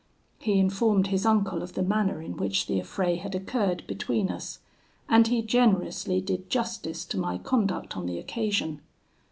He informed his uncle of the manner in which the affray had occurred between us, and he generously did justice to my conduct on the occasion.